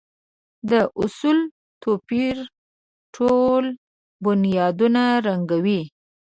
دا اصول د توپير ټول بنيادونه ړنګوي.